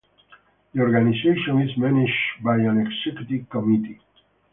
The organization is managed by an executive committee.